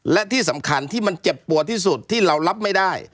และที่สำคัญที่มันเจ็บปวดที่สุดที่เรารับไม่ได้